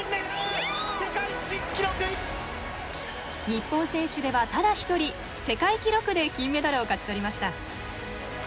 日本選手では、ただ一人世界記録で金メダルを勝ち取りました。